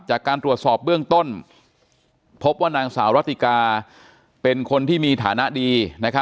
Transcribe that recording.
จากการตรวจสอบเบื้องต้นพบว่านางสาวรัติกาเป็นคนที่มีฐานะดี